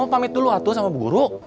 kamu pamit dulu atuh sama buruk